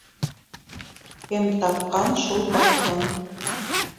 Кем тапҡан, шул баҡһын.